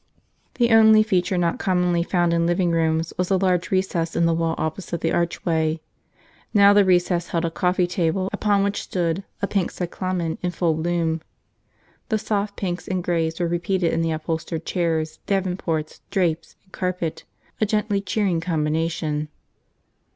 The only feature not commonly found in living rooms was a large recess in the wall opposite the archway. Now the recess held a coffee table upon which stood a pink cyclamen in full bloom. The soft pinks and grays were repeated in the upholstered chairs, davenports, drapes, and carpet, a gently cheering combination.